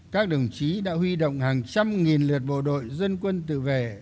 các đồng chí đã huy động hàng trăm nghìn lượt bộ đội dân quân tự vệ